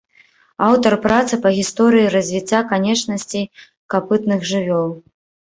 Аўтар працы па гісторыі развіцця канечнасцей капытных жывёл.